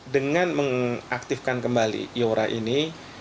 dengan mengaktifkan kembali iora ini